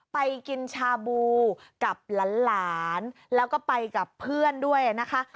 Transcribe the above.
ไปกินชาบูกับหลานแล้วก็ไปกับเพื่อนด้วยนะคะ